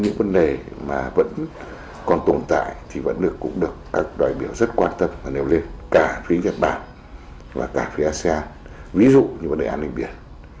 những vấn đề mà vẫn còn tồn tại thì vẫn được các đại biểu rất quan tâm và nêu lên cả phía nhật bản và cả phía asean ví dụ như vấn đề an ninh biển